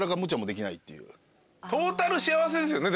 トータル幸せですよね？